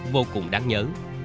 vô cùng đáng nhớ